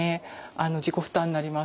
自己負担になります。